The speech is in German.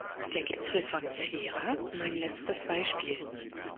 Der Gipfel von Feira, mein letztes Beispiel.